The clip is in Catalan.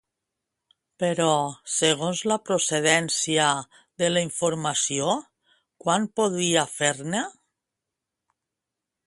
Però, segons la procedència de la informació, quant podria fer-ne?